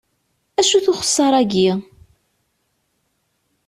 Acu-t uxessar-aki?